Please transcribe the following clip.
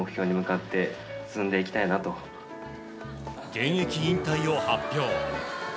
現役引退を発表。